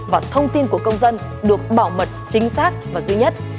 và thông tin của công dân được bảo mật chính xác và duy nhất